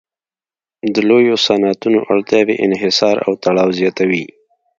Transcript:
د لویو صنعتونو اړتیاوې انحصار او تړاو زیاتوي